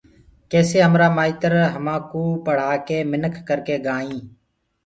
ڪيسي همرآ مآئتر همآنٚڪو پڙهآڪي منک ڪرڪي گآئينٚ